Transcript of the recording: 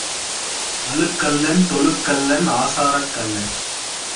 அழு கள்ளன், தொழு கள்ளன், ஆசாரக் கள்ளன்.